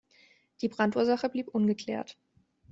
Die Brandursache blieb ungeklärt.